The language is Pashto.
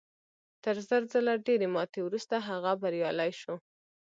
تر زر ځله ډېرې ماتې وروسته هغه بریالی شو